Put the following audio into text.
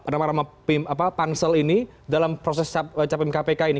nama nama pansel ini dalam proses capim kpk ini